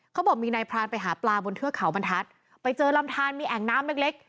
เขาบอกมีนายพรานไปหาปลาบนเทือกเขาบรรทัศน์ไปเจอลำทานมีแอ่งน้ำเล็กเล็ก